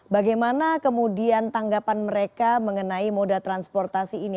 bagaimana kemudian tanggapan mereka mengenai moda transportasi ini